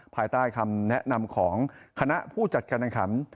ภายใต้คำแนะนำของคณะผู้จัดการแข่งขัน